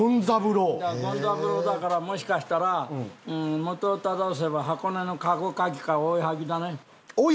三郎だからもしかしたら元を正せば箱根のかごかきか追い剥ぎだね。